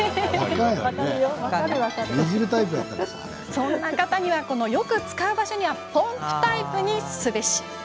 そんな方には、よく使う場所はポンプタイプにすべし。